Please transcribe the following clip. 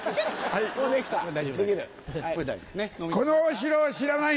はい。